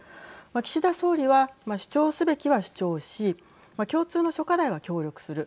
岸田総理は、主張すべきは主張し共通の諸課題は協力する。